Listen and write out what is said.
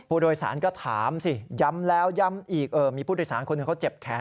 ผู้โดยสารก็ถามสิย้ำแล้วย้ำอีกมีผู้โดยสารคนหนึ่งเขาเจ็บแขน